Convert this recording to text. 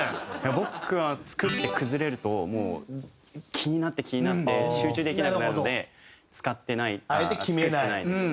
僕は作って崩れるともう気になって気になって集中できなくなるので使ってない作ってないです。